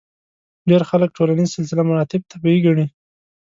ډېری خلک ټولنیز سلسله مراتب طبیعي ګڼي.